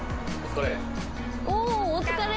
お疲れ。